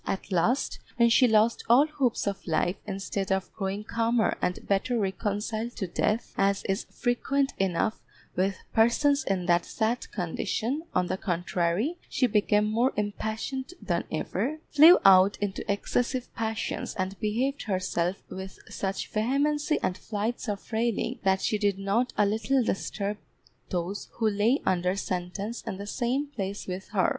At last, when she lost all hopes of life, instead of growing calmer and better reconciled to death, as is frequent enough with persons in that sad condition, on the contrary, she became more impatient than ever, flew out into excessive passions and behaved herself with such vehemency and flights of railing, that she did not a little disturb those who lay under sentence in the same place with her.